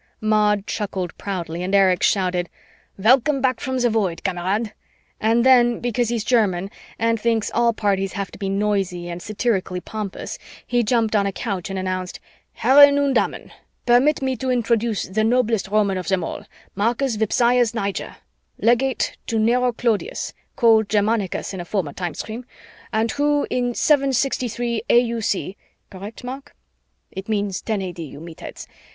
Maud chuckled proudly and Erich shouted, "Welcome back from the Void, Kamerad," and then, because he's German and thinks all parties have to be noisy and satirically pompous, he jumped on a couch and announced, "Herren und Damen, permit me to introduce the noblest Roman of them all, Marcus Vipsaius Niger, legate to Nero Claudius (called Germanicus in a former time stream) and who in 763 A.U.C. (Correct, Mark? It means 10 A.D., you meatheads!)